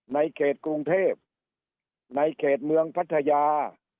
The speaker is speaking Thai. ในเขตกรุงเทพในเขตเมืองพัทยา